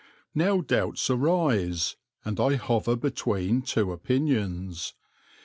Now doubts arise, and I hover between two opinions.